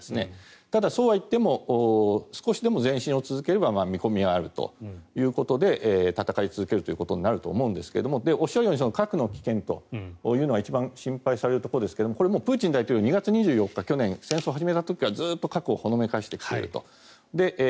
ただ、そうはいっても少しでも前進を続ければ見込みはあるということで戦い続けるということになると思うんですがおっしゃるように核の危険というのは一番心配されるところですがこれはプーチン大統領が２月２４日、去年戦争を始めた時からずっと核をほのめかしていると。